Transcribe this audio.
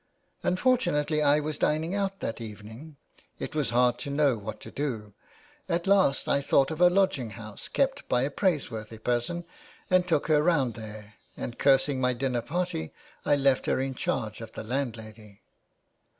" Unfortunately I was dining out that evening. It was hard to know what to do. At last I thought of a lodginghouse kept by a praiseworthy person, and took her round there and, cursing my dinner party, I left her in charge of the landlady."